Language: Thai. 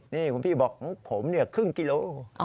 นี่คุณพี่บอกของผมเนี่ยครึ่งกิโล